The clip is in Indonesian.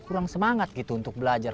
kurang semangat gitu untuk belajar